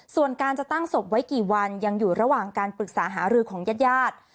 ส่วนการจะตั้งศพไว้กี่วันยังอยู่ระหว่างการปรึกษาหารือของญาติญาติ